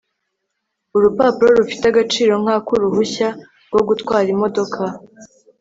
urupapuro rufite agaciro nk'ak'uruhushya rwo gutwara imodoka